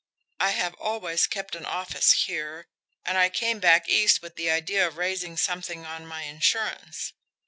I have always kept an office here, and I came back East with the idea of raising something on my insurance.